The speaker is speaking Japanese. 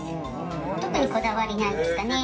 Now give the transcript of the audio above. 特にこだわりないですかね。